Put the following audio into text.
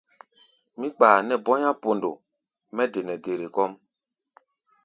Mí kpaa nɛ́ bɔ̧́í̧á̧ pondo mɛ́ de nɛ dere kɔ́ʼm.